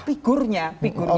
figurnya figurnya itu